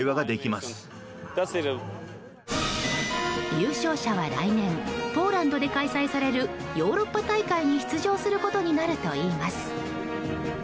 優勝者は来年ポーランドで開催されるヨーロッパ大会に出場することになるといいます。